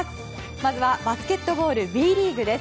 まずはバスケットボールＢリーグです。